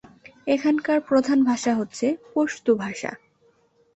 এখানকার প্রধান ভাষা হচ্ছে পশতু ভাষা।